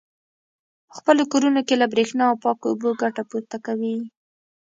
په خپلو کورونو کې له برېښنا او پاکو اوبو ګټه پورته کوي.